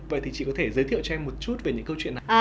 vậy thì chị có thể giới thiệu cho em một chút về những câu chuyện này